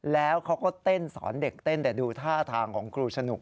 แล้วเขาก็เต้นสอนเด็กเต้นแต่ดูท่าทางของครูสนุก